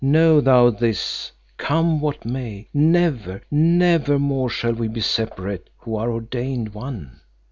Know thou this, come what may, never, never more shall we be separate who are ordained one.